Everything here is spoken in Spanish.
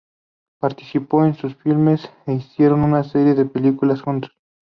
Participó en sus filmes e hicieron una serie de películas juntos.